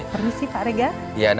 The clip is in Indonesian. permisi pak regar